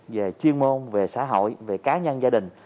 về chuyên môn về xã hội về cá nhân gia đình